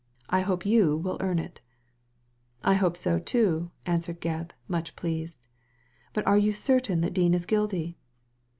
I hope you will cam it" " I hope so, too," answered Gebb, much pleased ; "but you are certain that Dean is guilty